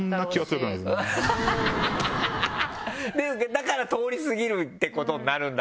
だから通り過ぎるってことになるんだろな。